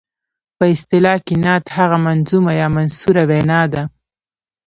په اصطلاح کې نعت هغه منظومه یا منثوره وینا ده.